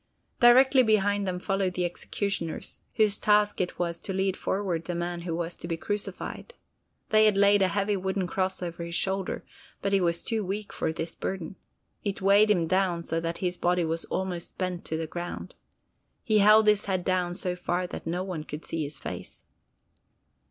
Directly behind them followed the executioners, whose task it was to lead forward the man that was to be crucified. They had laid a heavy wooden cross over his shoulder, but he was too weak for this burden. It weighed him down so that his body was almost bent to the ground. He held his head down so far that no one could see his face.